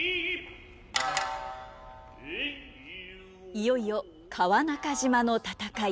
いよいよ川中島の戦い！